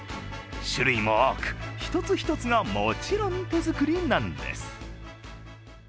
種類も多く、一つ一つがもちろん手作りなんです。